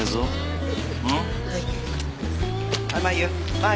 はい。